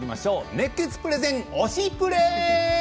熱血プレゼン「推しプレ！」。